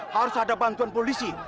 harus ada bantuan polisi